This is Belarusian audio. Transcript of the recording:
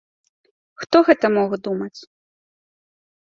Хто гэта мог думаць?